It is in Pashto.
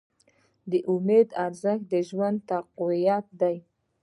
د امید ارزښت د ژوند قوت دی.